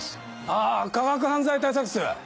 あぁ科学犯罪対策室。